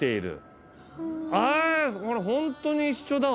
あこれホントに一緒だ。